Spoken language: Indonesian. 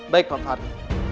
baik pak ferry